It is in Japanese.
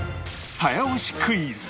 早押しクイズ！